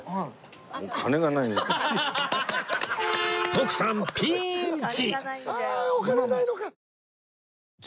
徳さんピーンチ！